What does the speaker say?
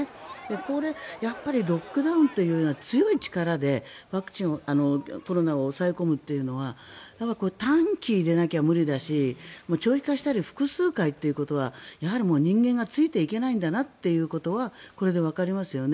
これ、ロックダウンという強い力でコロナを抑え込むというのは短気でなきゃ無理だし長期化したり複数回ということはやはり人間がついていけないんだなということはこれでわかりますよね。